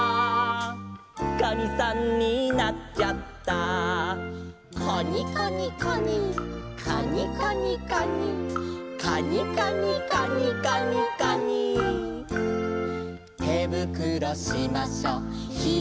「かにさんになっちゃった」「カニカニカニ」「カニカニカニ」「カニカニカニカニカニ」「てぶくろしましょひらいてぱんぱん」